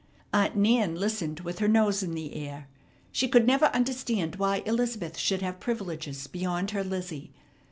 Aunt Nan listened with her nose in the air. She could never understand why Elizabeth should have privileges beyond her Lizzie.